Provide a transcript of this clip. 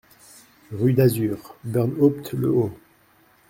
Rue d'Azur, Burnhaupt-le-Haut